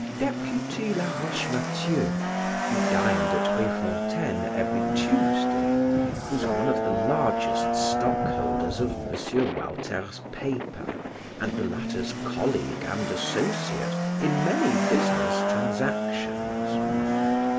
Deputy Laroche Mathieu, who dined at Rue Fontaine every Tuesday, was one of the largest stockholders of M. Walter's paper and the latter's colleague and associate in many business transactions.